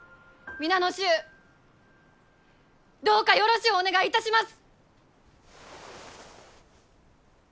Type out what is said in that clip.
今後ともどうぞよろしゅうお願いいたします！